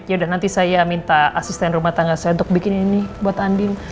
ya udah nanti saya minta asisten rumah tangga saya untuk bikin ini buat andin